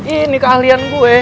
ini keahlian gue